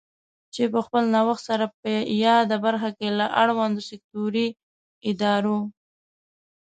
چې په خپل نوښت سره په یاده برخه کې له اړوندو سکټوري ادارو